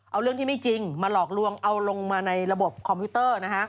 เอาเรื่องที่ไม่จริงมาหลอกลวงเอาลงมาในระบบคอมพิวเตอร์